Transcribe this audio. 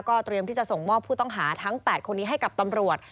เตรียมที่จะส่งมอบผู้ต้องหาทั้ง๘คนนี้ให้กับตำรวจ